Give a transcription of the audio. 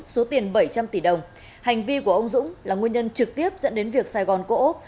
số tiền bảy trăm linh tỷ đồng hành vi của ông dũng là nguyên nhân trực tiếp dẫn đến việc sài gòn cổ úc